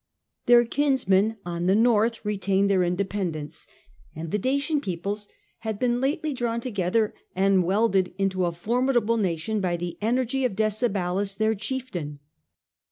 Their kinsmen on the north retained their independence, and the Dacian ^. 1.11 111 1 1 peoples had been lately drawn together and the Dadan welded into a formidable nation by the energy of Decebalus, their chieftain.